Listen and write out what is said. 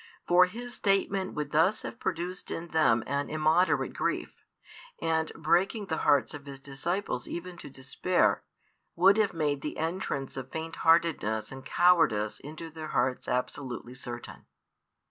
For His statement would thus have produced in them an immoderate grief, and, breaking the hearts of His disciples even to despair, would have made the entrance of faint heartedness and cowardice into their hearts absolutely certain.